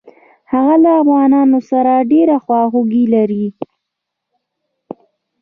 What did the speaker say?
هغه له افغانانو سره ډېره خواخوږي لري.